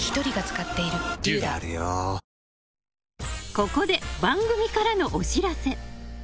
ここで番組からのお知らせ。